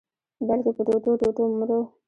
بلکي په ټوټو-ټوټو مرو